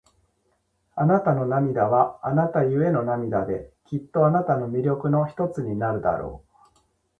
あなたの涙は、あなたゆえの涙で、きっとあなたの魅力の一つになるだろう。